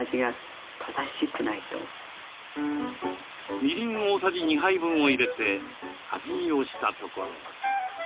みりん大さじ２杯分を入れて味見をしたところ。